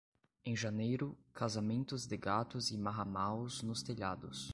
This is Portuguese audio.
Em janeiro, casamentos de gatos e marramaus nos telhados.